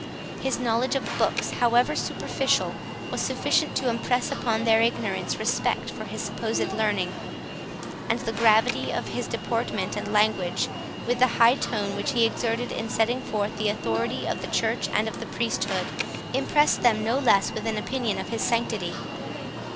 His knowledge of books, however superficial, was sufficient to impress upon their ignorance respect for his supposed learning; and the gravity of his deportment and language, with the high tone which he exerted in setting forth the authority of the church and of the priesthood, impressed them no less with an opinion of his sanctity.